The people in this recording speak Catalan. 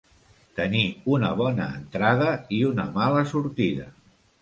Tenir una bona entrada i una mala sortida.